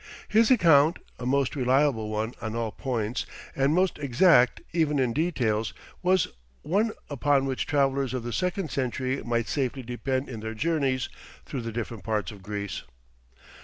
His account, a most reliable one on all points, and most exact even in details, was one upon which travellers of the second century might safely depend in their journeys through the different parts of Greece.